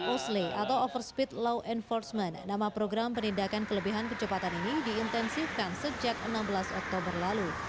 osley atau overspeed law enforcement nama program penindakan kelebihan kecepatan ini diintensifkan sejak enam belas oktober lalu